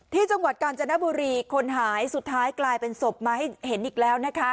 ที่จังหวัดกาญจนบุรีคนหายสุดท้ายกลายเป็นศพมาให้เห็นอีกแล้วนะคะ